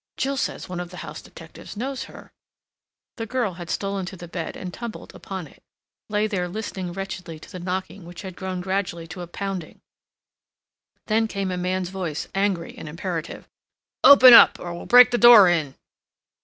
"Jill says one of the house detectives knows her." The girl had stolen to the bed and tumbled upon it; lay there listening wretchedly to the knocking which had grown gradually to a pounding. Then came a man's voice, angry and imperative: "Open up or we'll break the door in!"